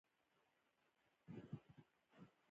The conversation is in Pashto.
• غاښونه د انسان بدن ته ارزښت لري.